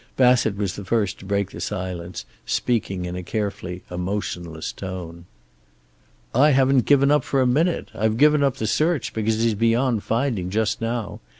Bassett was the first to break the silence, speaking in a carefully emotionless tone. "I haven't given up for a minute. I've given up the search, because he's beyond finding just now.